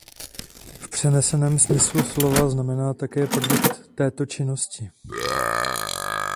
V přeneseném smyslu slova znamená také produkt této činnosti.